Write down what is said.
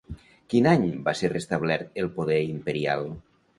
Quin any va ser restablert el poder imperial?